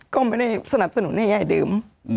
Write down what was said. ก็ไม่ได้สนับสนุนให้ยายดื่ม